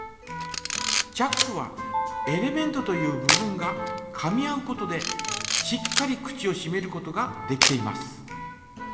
チャックはエレメントという部分がかみ合うことでしっかり口をしめることができています。